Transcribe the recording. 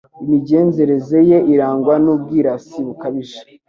imigenzereze ye irangwa n’ubwirasi bukabije